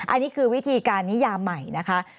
อันนี้คือวิธีการนิยามใหม่นะคะ